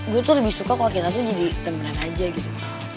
gue tuh lebih suka kalau kita tuh jadi temenan aja gitu